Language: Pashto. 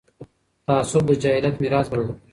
تعصب د جاهلیت میراث بلل کېږي